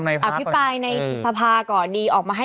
อาจจะ